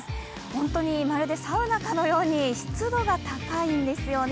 本当にまるでサウナかのように湿度が高いんですよね。